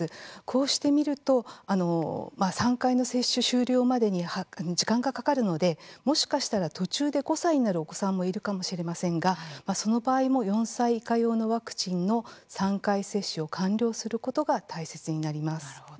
こうして見ると３回の接種終了までに時間がかかるのでもしかしたら、途中で５歳になるお子さんもいるかもしれませんがその場合も４歳以下用のワクチンの３回接種を完了することが大切になります。